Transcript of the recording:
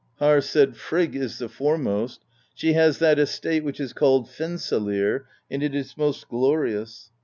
Harr said :" Frigg is the foremost : she has that estate which is called Fensalir, and it is most glorious.